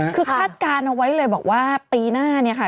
คือคาดการณ์เอาไว้เลยบอกว่าปีหน้าเนี่ยค่ะ